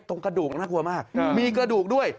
กระดูกน่ากลัวมากมีกระดูกด้วย